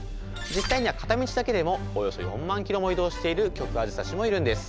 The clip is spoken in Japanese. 実際には片道だけでもおよそ４万キロも移動しているキョクアジサシもいるんです。